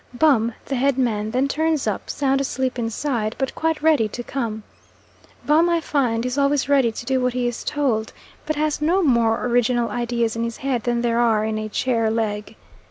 Bum, the head man, then turns up, sound asleep inside, but quite ready to come. Bum, I find, is always ready to do what he is told, but has no more original ideas in his head than there are in a chair leg.